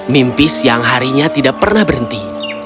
mimpi siang harinya tidak pernah berhenti